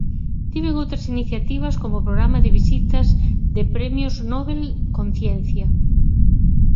Tiven outras iniciativas como o programa de visitas de premios Nobel ConCiencia.